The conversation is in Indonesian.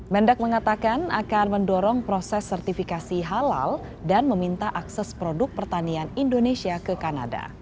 mendak mengatakan akan mendorong proses sertifikasi halal dan meminta akses produk pertanian indonesia ke kanada